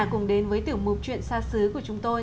cùng đến với tiểu mục chuyện xa xứ của chúng tôi